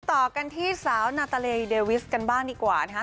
ต่อกันที่สาวนาตาเลเดวิสกันบ้างดีกว่านะคะ